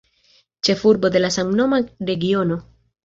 Ĉefurbo de la samnoma regiono.